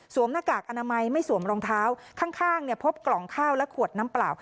หน้ากากอนามัยไม่สวมรองเท้าข้างเนี่ยพบกล่องข้าวและขวดน้ำเปล่า